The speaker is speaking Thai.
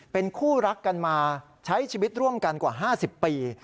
เป็นคู่รักกันมาใช้ชีวิตร่วมกันกว่า๕๐ปี